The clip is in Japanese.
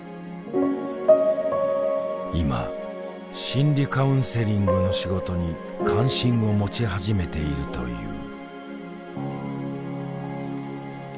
今心理カウンセリングの仕事に関心を持ち始めているという。